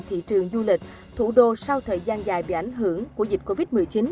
thị trường du lịch thủ đô sau thời gian dài bị ảnh hưởng của dịch covid một mươi chín